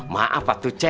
maaf pak tucek